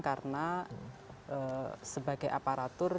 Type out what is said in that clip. karena sebagai aparatur